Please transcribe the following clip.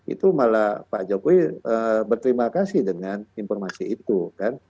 itu malah pak jokowi berterima kasih dengan informasi itu kan